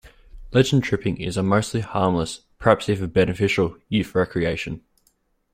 Legend-tripping is a mostly harmless, perhaps even beneficial, youth recreation.